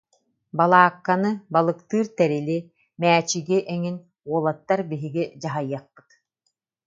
Балаакканы, балыктыыр тэрили, мээчиги эҥин уолаттар биһиги дьаһайыахпыт